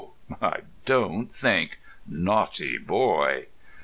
I don't think. Naughty boy!"